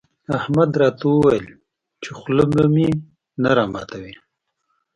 احمد راته وويل چې خوله به مې نه راماتوې.